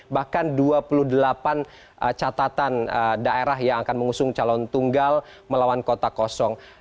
bahkan dua puluh delapan catatan daerah yang akan mengusung calon tunggal melawan kota kosong